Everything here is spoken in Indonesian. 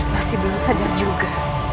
masih belum sadar juga